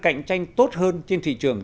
cạnh tranh tốt hơn trên thị trường